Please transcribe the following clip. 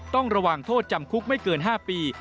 ต้องระวังโทษจำคุกไม่เกิน๕ปี